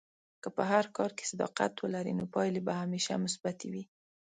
که په هر کار کې صداقت ولرې، نو پایلې به همیشه مثبتې وي.